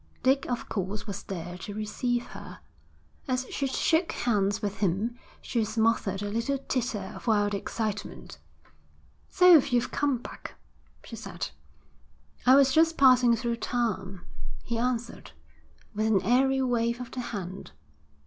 Dick of course was there to receive her. As she shook hands with him, she smothered a little titter of wild excitement. 'So you've come back,' she said. 'I was just passing through town,' he answered, with an airy wave of the hand.